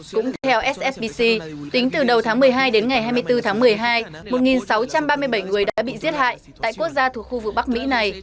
cũng theo ssbc tính từ đầu tháng một mươi hai đến ngày hai mươi bốn tháng một mươi hai một sáu trăm ba mươi bảy người đã bị giết hại tại quốc gia thuộc khu vực bắc mỹ này